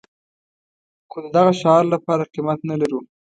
خو د دغه شعار لپاره قيمت نه لرو.